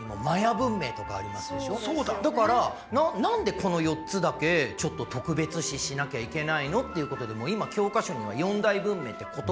だから何でこの４つだけちょっと特別視しなきゃいけないのっていうことで今教科書には四大文明って言葉は一切ないんです。